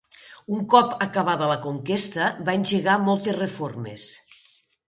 Un cop acabada la conquesta va engegar moltes reformes.